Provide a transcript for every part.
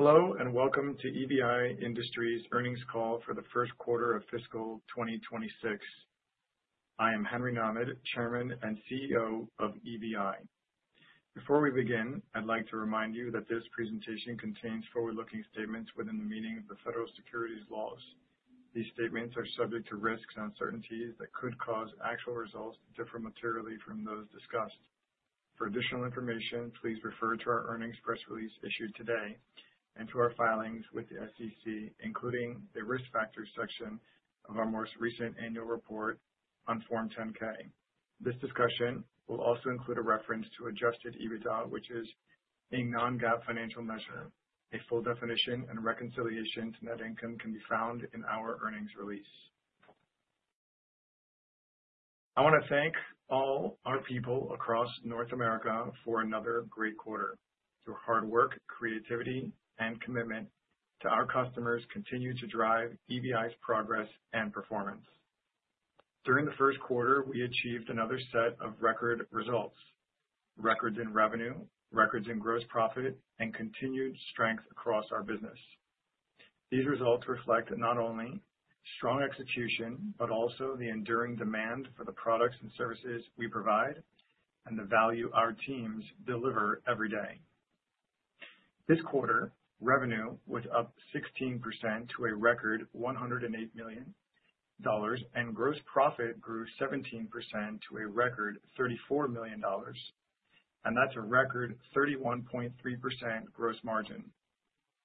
Hello and welcome to EVI Industries' Earnings call for the first quarter of fiscal 2026. I am Henry Nahmad, Chairman and CEO of EVI. Before we begin, I'd like to remind you that this presentation contains forward-looking statements within the meaning of the federal securities laws. These statements are subject to risks and uncertainties that could cause actual results to differ materially from those discussed. For additional information, please refer to our earnings press release issued today and to our filings with the SEC, including the risk factors section of our most recent annual report on Form 10-K. This discussion will also include a reference to Adjusted EBITDA, which is a non-GAAP financial measure. A full definition and reconciliation to net income can be found in our earnings release. I want to thank all our people across North America for another great quarter. Through hard work, creativity, and commitment to our customers, continue to drive EVI's progress and performance. During the first quarter, we achieved another set of record results: records in revenue, records in gross profit, and continued strength across our business. These results reflect not only strong execution but also the enduring demand for the products and services we provide and the value our teams deliver every day. This quarter, revenue was up 16% to a record $108 million, and gross profit grew 17% to a record $34 million, and that's a record 31.3% gross margin.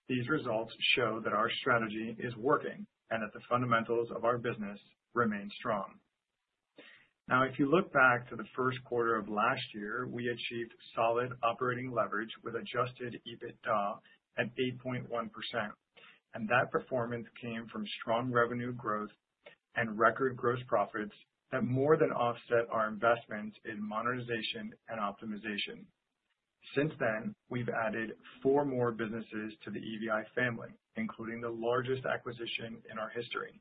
These results show that our strategy is working and that the fundamentals of our business remain strong. Now, if you look back to the first quarter of last year, we achieved solid operating leverage with Adjusted EBITDA at 8.1%, and that performance came from strong revenue growth and record gross profits that more than offset our investments in monetization and optimization. Since then, we've added four more businesses to the EVI family, including the largest acquisition in our history.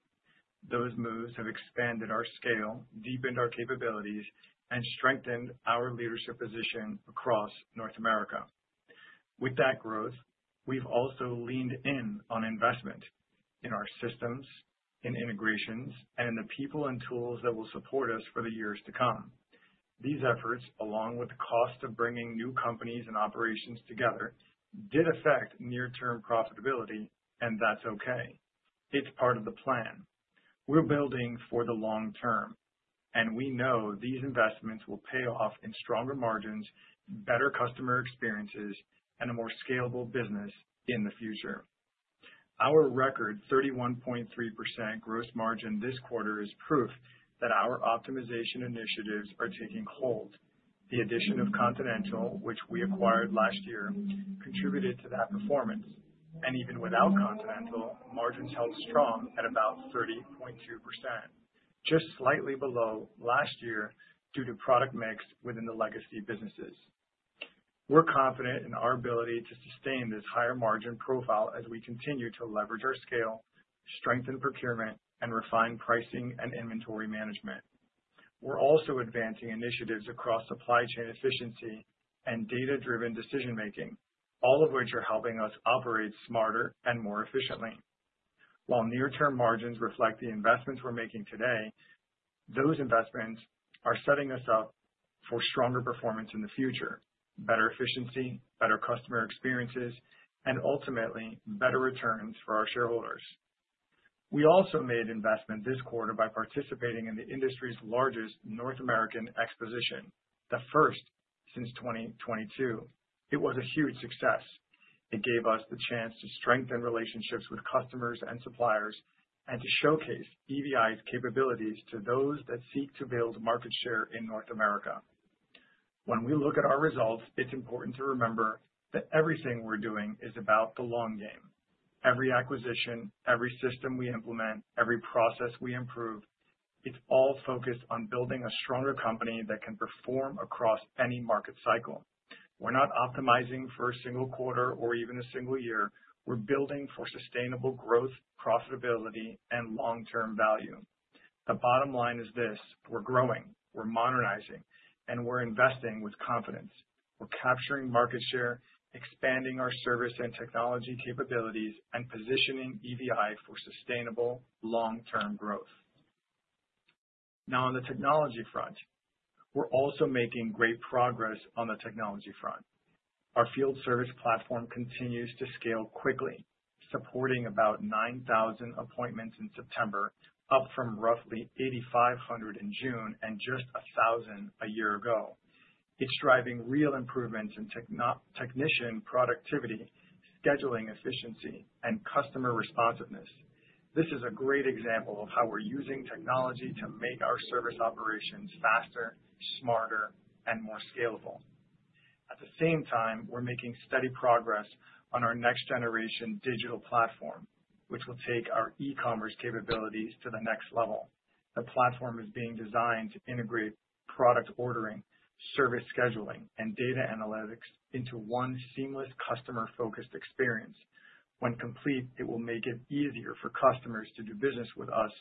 Those moves have expanded our scale, deepened our capabilities, and strengthened our leadership position across North America. With that growth, we've also leaned in on investment in our systems, in integrations, and in the people and tools that will support us for the years to come. These efforts, along with the cost of bringing new companies and operations together, did affect near-term profitability, and that's okay. It's part of the plan. We're building for the long term, and we know these investments will pay off in stronger margins, better customer experiences, and a more scalable business in the future. Our record 31.3% gross margin this quarter is proof that our optimization initiatives are taking hold. The addition of Continental, which we acquired last year, contributed to that performance, and even without Continental, margins held strong at about 30.2%, just slightly below last year due to product mix within the legacy businesses. We're confident in our ability to sustain this higher margin profile as we continue to leverage our scale, strengthen procurement, and refine pricing and inventory management. We're also advancing initiatives across supply chain efficiency and data-driven decision-making, all of which are helping us operate smarter and more efficiently. While near-term margins reflect the investments we're making today, those investments are setting us up for stronger performance in the future: better efficiency, better customer experiences, and ultimately better returns for our shareholders. We also made investment this quarter by participating in the industry's largest North American exposition, the first since 2022. It was a huge success. It gave us the chance to strengthen relationships with customers and suppliers and to showcase EVI's capabilities to those that seek to build market share in North America. When we look at our results, it's important to remember that everything we're doing is about the long game. Every acquisition, every system we implement, every process we improve, it's all focused on building a stronger company that can perform across any market cycle. We're not optimizing for a single quarter or even a single year. We're building for sustainable growth, profitability, and long-term value. The bottom line is this: we're growing, we're modernizing, and we're investing with confidence. We're capturing market share, expanding our service and technology capabilities, and positioning EVI for sustainable long-term growth. Now, on the technology front, we're also making great progress on the technology front. Our field service platform continues to scale quickly, supporting about 9,000 appointments in September, up from roughly 8,500 in June and just 1,000 a year ago. It's driving real improvements in technician productivity, scheduling efficiency, and customer responsiveness. This is a great example of how we're using technology to make our service operations faster, smarter, and more scalable. At the same time, we're making steady progress on our next-generation digital platform, which will take our e-commerce capabilities to the next level. The platform is being designed to integrate product ordering, service scheduling, and data analytics into one seamless customer-focused experience. When complete, it will make it easier for customers to do business with us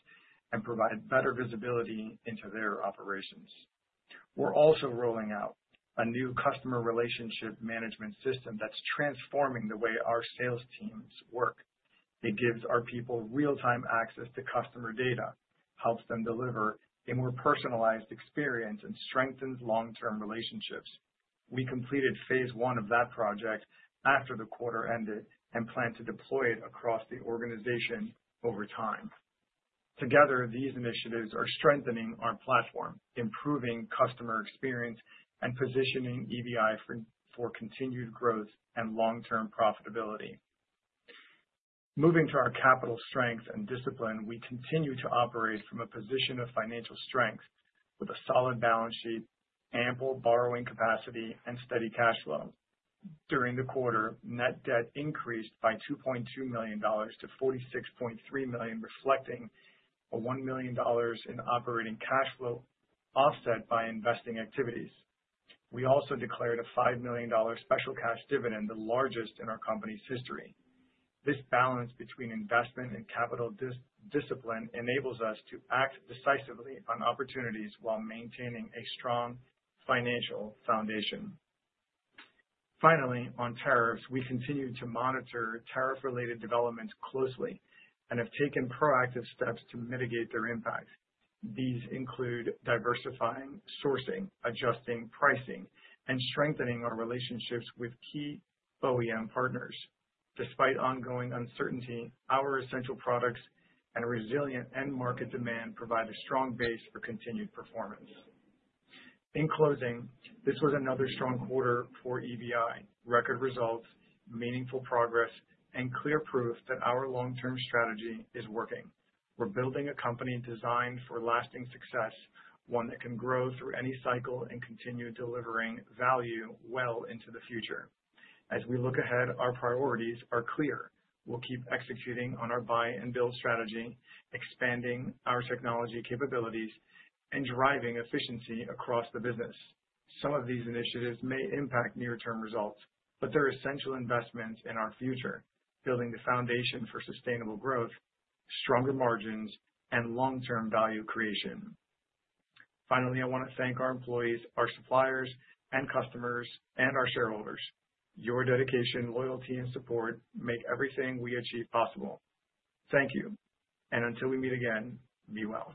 and provide better visibility into their operations. We're also rolling out a new customer relationship management system that's transforming the way our sales teams work. It gives our people real-time access to customer data, helps them deliver a more personalized experience, and strengthens long-term relationships. We completed phase one of that project after the quarter ended and plan to deploy it across the organization over time. Together, these initiatives are strengthening our platform, improving customer experience, and positioning EVI for continued growth and long-term profitability. Moving to our capital strengths and discipline, we continue to operate from a position of financial strength with a solid balance sheet, ample borrowing capacity, and steady cash flow. During the quarter, net debt increased by $2.2 million-$46.3 million, reflecting a $1 million in operating cash flow offset by investing activities. We also declared a $5 million special cash dividend, the largest in our company's history. This balance between investment and capital discipline enables us to act decisively on opportunities while maintaining a strong financial foundation. Finally, on tariffs, we continue to monitor tariff-related developments closely and have taken proactive steps to mitigate their impact. These include diversifying sourcing, adjusting pricing, and strengthening our relationships with key OEM partners. Despite ongoing uncertainty, our essential products and resilient end-market demand provide a strong base for continued performance. In closing, this was another strong quarter for EVI: record results, meaningful progress, and clear proof that our long-term strategy is working. We're building a company designed for lasting success, one that can grow through any cycle and continue delivering value well into the future. As we look ahead, our priorities are clear. We'll keep executing on our buy-and-build strategy, expanding our technology capabilities, and driving efficiency across the business. Some of these initiatives may impact near-term results, but they're essential investments in our future, building the foundation for sustainable growth, stronger margins, and long-term value creation. Finally, I want to thank our employees, our suppliers, and customers, and our shareholders. Your dedication, loyalty, and support make everything we achieve possible. Thank you, and until we meet again, be well.